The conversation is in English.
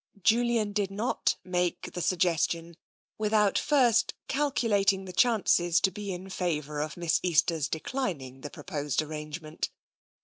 Julian did not make the suggestion without first I02 TENSION calculating the chances to be in favour of Miss Easter's declining the proposed arrangement.